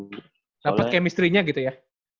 dapet chemistrynya gitu ya